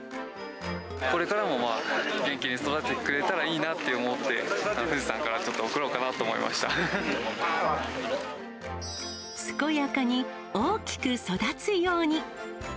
これからも元気で育ってくれたらいいなと思って、富士山から健やかに大きく育つように。